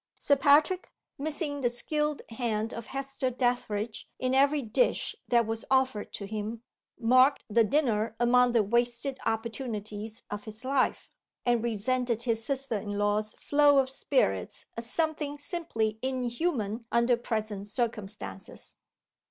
Sir Patrick, missing the skilled hand of Hester Dethridge in every dish that was offered to him, marked the dinner among the wasted opportunities of his life, and resented his sister in law's flow of spirits as something simply inhuman under present circumstances.